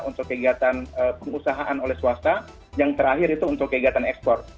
untuk kegiatan pengusahaan oleh swasta yang terakhir itu untuk kegiatan ekspor